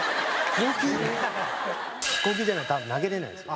硬球じゃないと多分投げれないんですよ。